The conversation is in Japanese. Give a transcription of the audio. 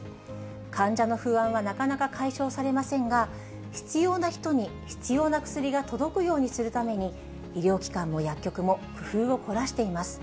患者の不安はなかなか解消されませんが、必要な人に必要な薬が届くようにするために、医療機関も薬局も工夫を凝らしています。